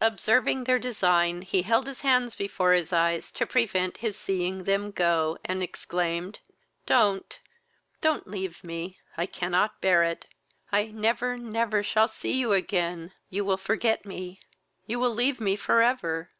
Observing their design, he held his hands before his eyes, to prevent his seeing them go, and exclaimed, "Don't, don't leave me! I cannot bear it. I never never shall see you again: you will forget me, you will leave me for ever!"